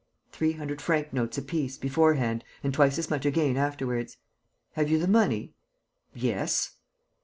"Three hundred franc notes apiece, beforehand, and twice as much again afterwards." "Have you the money?" "Yes."